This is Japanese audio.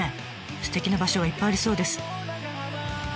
すてきな場所がいっぱいありそうです。